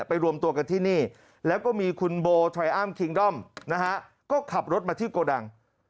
รวมตัวกันที่นี่แล้วก็มีคุณโบไทรอัมคิงด้อมนะฮะก็ขับรถมาที่โกดัง